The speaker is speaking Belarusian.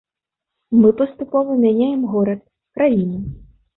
Мы паступова мяняем горад, краіну.